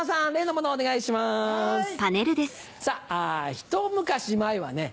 ひと昔前はね